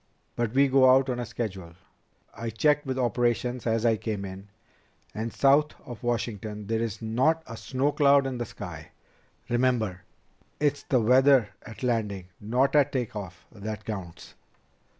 "But we go out on schedule. I checked with operations as I came in, and south of Washington there's not a snow cloud in the sky. Remember, it's the weather at landing, not at take off, that counts."